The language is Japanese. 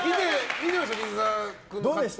見てました？